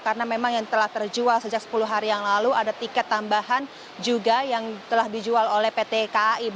karena memang yang telah terjual sejak sepuluh hari yang lalu ada tiket tambahan juga yang telah dijual oleh pt kai